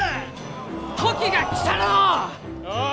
時が来たらのう！